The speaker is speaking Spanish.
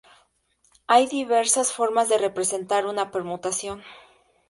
Hay diversas formas de representar una permutación.